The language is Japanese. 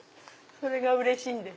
それがうれしいです。